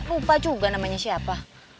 lupa juga namanya siapa